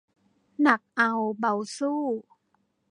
หนักเอาเบาสู้